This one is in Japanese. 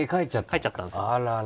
帰っちゃったんですよ。